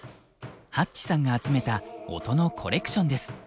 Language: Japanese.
Ｈａｔｃｈさんが集めた音のコレクションです。